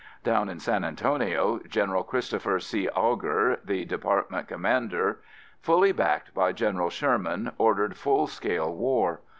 Down in San Antonio, General Christopher C. Augur, the Department Commander, fully backed by General Sherman, ordered full scale war.